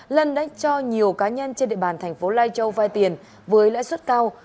lân đã cho nhiều cá nhân trên địa bàn thành phố lai châu vay tiền với lãi suất cao